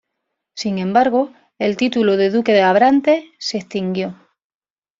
Sin embargo, el título de duque de Abrantes se extinguió.